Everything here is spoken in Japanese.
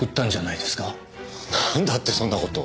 なんだってそんな事を。